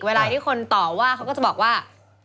เวลาที่คนต่อว่าเขาก็จะบอกว่า